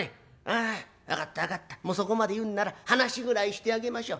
あ分かった分かったそこまで言うなら話ぐらいしてあげましょう。